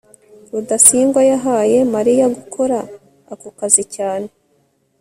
rudasingwa yahaye mariya gukora ako kazi cyane